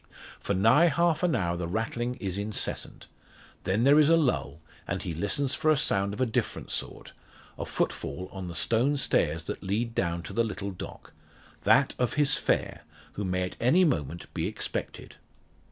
For nigh half an hour the rattling is incessant; then there is a lull, and he listens for a sound of a different sort a footfall on the stone stairs that lead down to the little dock that of his fare, who may at any moment be expected.